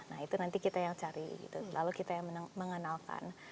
nah itu nanti kita yang cari gitu lalu kita yang mengenalkan